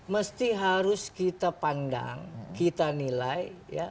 mesti harus kita pandang kita nilai